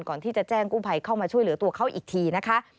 ก่อนที่จะแจ้งกู้ภัยเข้ามาช่วยเหลือตัวเขาอีกทีนะคะ